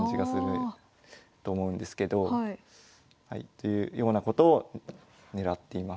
というようなことを狙っています。